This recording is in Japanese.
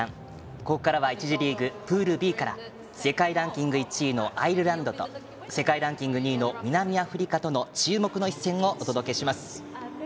ここからは１次リーグプールＢから世界ランキング１位のアイルランドと世界ランキング２位の南アフリカとの注目の一戦をお届けします。